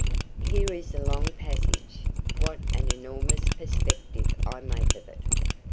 Here is a long passage what an enormous perspective I make of it!